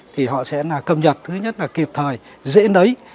thì họ sẽ cầm nhật thứ nhất là kịp thời dễ nấy